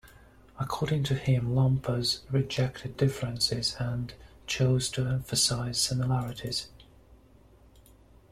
According to him, lumpers rejected differences and chose to emphasize similarities.